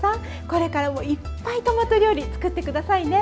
これからもいっぱいトマト料理作って下さいね。